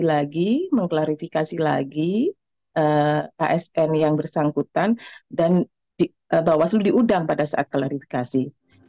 lagi mengklarifikasi lagi asn yang bersangkutan dan bawaslu diundang pada saat klarifikasi